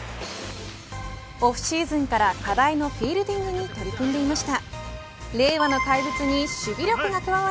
オフシーズンから課題のフィールディングに取り組んでいました。